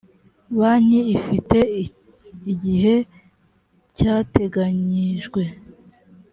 banki ifite igihe cyateganyijwe